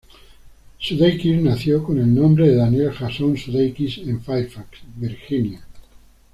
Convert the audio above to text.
Sudeikis nació con el nombre de Daniel Jason Sudeikis en Fairfax, Virginia.